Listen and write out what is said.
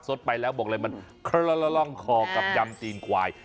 สดไปแล้วบอกเลยมันคนละร่องคอกับยำตีนควาย